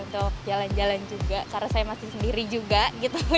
untuk jalan jalan juga karena saya masih sendiri juga gitu